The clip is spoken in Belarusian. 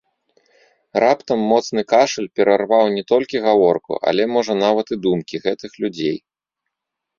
Раптам моцны кашаль перарваў не толькі гаворку, але можа нават і думкі гэтых людзей.